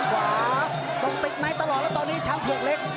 ตรงติ๊กไนท์ตลอดแล้วตอนนี้ช้างเบือกเล็ก